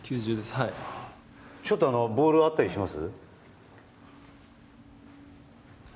はいちょっとボールあったりします？